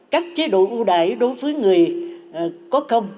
các chế độ ưu đại đối với người có công